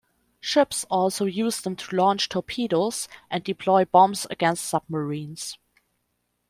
Ships also use them to launch torpedoes and deploy bombs against submarines.